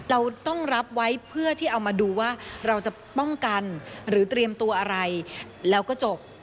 เราต้องรับไว้เพื่อที่เอามาดูว่าเราจะป้องกันหรือเตรียมตัวอะไรแล้วก็จบ